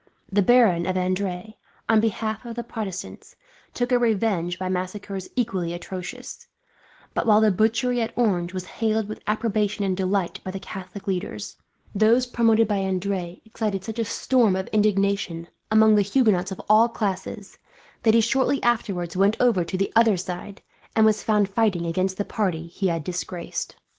The Baron of Adrets, on behalf of the Protestants, took revenge by massacres equally atrocious; but while the butchery at Orange was hailed with approbation and delight by the Catholic leaders, those promoted by Adrets excited such a storm of indignation, among the Huguenots of all classes, that he shortly afterwards went over to the other side, and was found fighting against the party he had disgraced.